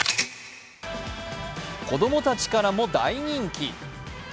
子供たちからも大人気。